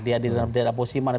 dia di dalam daerah posisi mana